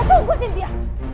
sintia tunggu sintia